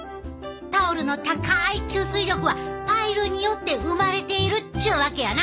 タオルの高い吸水力はパイルによって生まれているっちゅうわけやな。